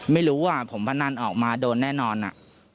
ไม่รู้ว่าผมพนันออกมาโดนแน่นอนอ่ะ